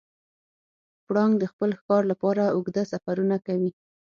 پړانګ د خپل ښکار لپاره اوږده سفرونه کوي.